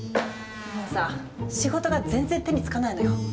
もうさ仕事が全然手につかないのよ。